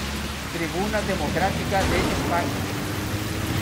Tribuna democrática de España".